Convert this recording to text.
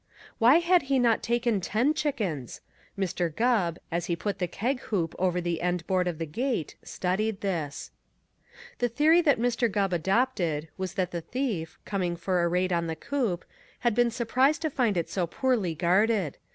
Why had he not taken ten chickens? Mr. Gubb, as he put the keg hoop over the end board of the gate, studied this. The theory that Mr. Gubb adopted was that the thief, coming for a raid on the coop, had been surprised to find it so poorly guarded.